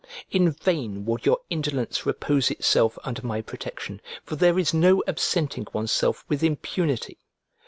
In vain would your indolence repose itself under my protection, for there is no absenting oneself with impunity.